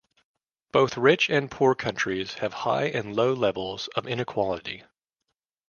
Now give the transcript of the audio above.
But both rich and poor countries have high and low levels of inequality.